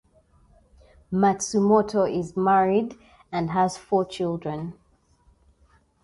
Matsumoto is married and has four children.